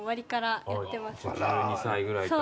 １２歳ぐらいから。